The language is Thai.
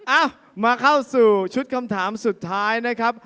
เอ้ามาเข้าสู่ชุดคำถามสุดท้ายนะครับ